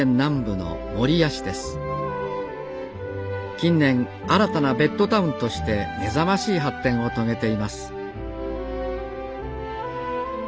近年新たなベッドタウンとして目覚ましい発展を遂げています